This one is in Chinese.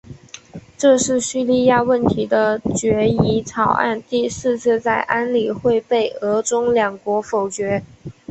这是叙利亚问题的决议草案第四次在安理会被俄中两国否决。